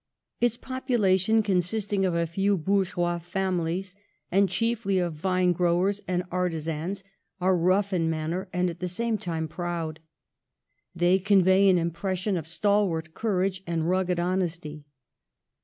Its population, consisting of a few bourgeois families, and chiefly of vine growers and ar tizans, are rough in manner and at the same time proud. They convey an impression of stalwart courage and rugged honesty.